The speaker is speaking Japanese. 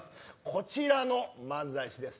こちらの漫才師です。